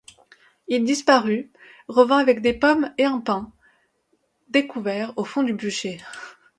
Il disparut, revint avec des pommes et un pain, découvert au fond du bûcher.